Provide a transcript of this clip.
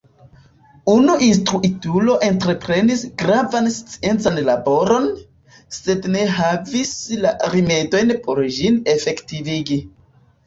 Unu instruitulo entreprenis gravan sciencan laboron, sed ne havis la rimedojn por ĝin efektivigi.